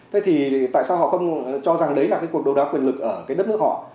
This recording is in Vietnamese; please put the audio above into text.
thế thì tại sao họ không cho rằng đấy là cuộc đấu đáo quyền lực ở đất nước họ